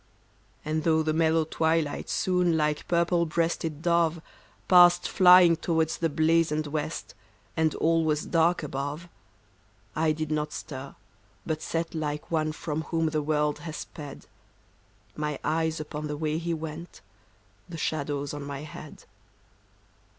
And though the mellow twilight soon. Like purple breasted dove. Passed flying towards the blazoned west And all was dark above, I did not stir, but sat like one From whom the world has sped ; My eyes upon the way he went. The shadows on my head.